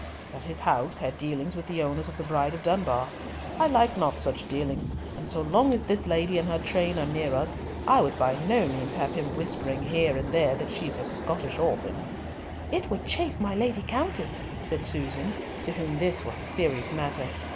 "That his house had dealings with the owners of the Bride of Dunbar. I like not such dealings, and so long as this lady and her train are near us, I would by no means have him whispering here and there that she is a Scottish orphan." "It would chafe my Lady Countess!" said Susan, to whom this was a serious matter.